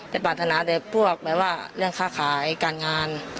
ปรารถนาแต่พวกแบบว่าเรื่องค่าขายการงาน